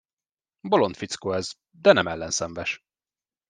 Bolond fickó ez, de nem ellenszenves.